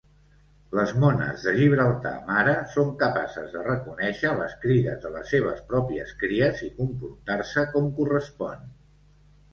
Les mones de Gibraltar mare són capaces de reconèixer les crides de les seves pròpies cries i comportar-se com correspon.